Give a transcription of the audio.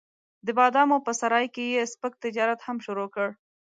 د بادامو په سرای کې یې سپک تجارت هم شروع کړ.